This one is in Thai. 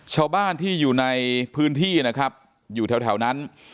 ชาวบ้านที่อยู่ในพื้นที่นะครับอยู่แถวนั้น